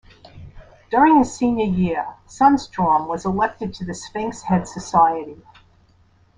During his senior year, Sundstrom was elected to the Sphinx Head Society.